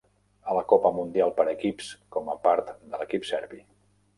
A la Copa Mundial per Equips com a part de l'equip serbi.